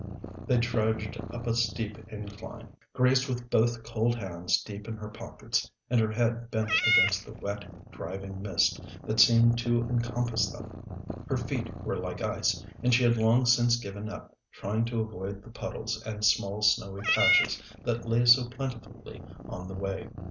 They trudged up a steep incline, Grace with both cold hands deep in her pockets and her head bent against the wet driving mist that seemed to encompass them. Her feet were like ice, and she had long since given up trying to avoid the puddles and small snowy patches that lay so plentifully on the way.